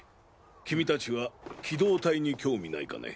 君達は機動隊に興味ないかね？